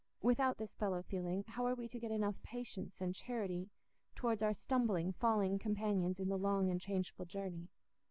Without this fellow feeling, how are we to get enough patience and charity towards our stumbling, falling companions in the long and changeful journey?